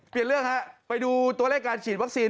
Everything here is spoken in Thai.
เปลี่ยนเรื่องฮะไปดูตัวเลขการฉีดวัคซีน